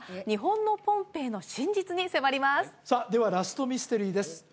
日本のポンペイの真実に迫りますさあではラストミステリーです